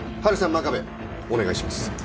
真壁お願いします。